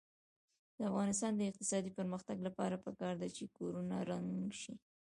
د افغانستان د اقتصادي پرمختګ لپاره پکار ده چې کورونه رنګ شي.